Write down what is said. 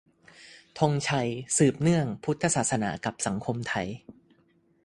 ธงชัย : สืบเนื่อง - พุทธศาสนากับสังคมไทย